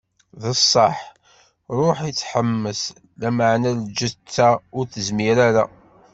D ṣṣeḥḥ, Ṛṛuḥ itḥemmes, lameɛna lǧetta ur tezmir ara.